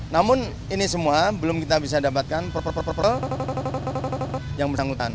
namun ini semua belum kita bisa dapatkan yang bersangkutan